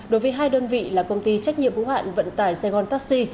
đối với hai đơn vị là công ty trách nhiệm hữu hạn vận tải sài gòn taxi